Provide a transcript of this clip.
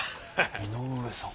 井上さん？